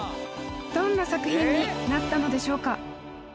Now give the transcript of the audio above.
どんな作品になったのでしょうか？